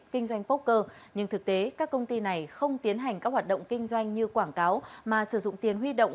kinh doanh poker nhưng thực tế các công ty này không tiến hành các hoạt động kinh doanh như quảng cáo mà sử dụng tiền huy động